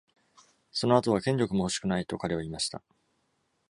「その後は権力も欲しくない」と、彼は言いました。